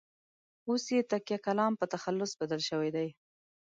اوس یې تکیه کلام په تخلص بدل شوی دی.